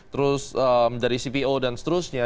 terus dari cpo dan seterusnya